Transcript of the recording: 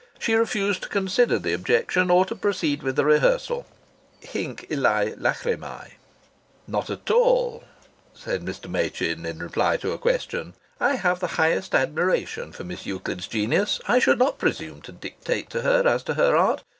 She refused to consider the objection or to proceed with the rehearsal. Hinc illae lachrymae!" ... "Not at all," said Mr. Machin in reply to a question, "I have the highest admiration for Miss Euclid's genius. I should not presume to dictate to her as to her art.